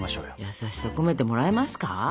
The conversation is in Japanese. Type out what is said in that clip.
優しさ込めてもらえますか？